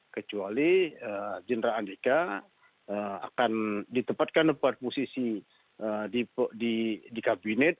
kecuali general andika akan ditempatkan pada posisi di kabinet